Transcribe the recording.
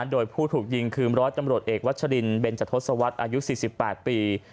โดยผู้ถูกยิงคือร้อยตำรวจเอกวัชรินเบนจทศวรรษอายุ๔๘ปี